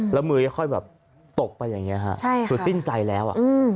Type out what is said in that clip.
แล้วมือก็ค่อยตกไปอย่างนี้สุดสิ้นใจแล้ว